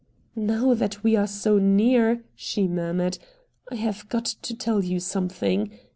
"Now that we are so near," she murmured, "I have got to tell you something.